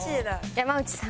山内さん。